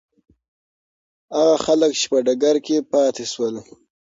هغه خلک چې په ډګر کې پاتې شول.